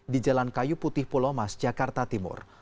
di jalan kayu putih pulau mas jakarta timur